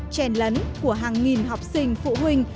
chen lấn của hàng nghìn học sinh phụ huynh